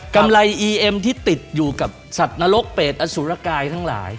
ไรอีเอ็มที่ติดอยู่กับสัตว์นรกเป็ดอสุรกายทั้งหลาย